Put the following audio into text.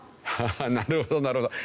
ハハッなるほどなるほど。